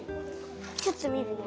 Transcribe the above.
ちょっとみるね。